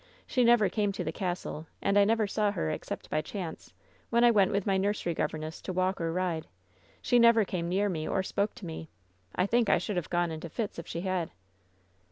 She never came to the castle, and I never saw her except by chance, when I went with my nursery governess to walk or ride. She never came near me or spoke to me. I think I should have gone into fits if she had."